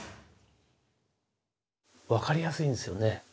分かりやすいんですよね。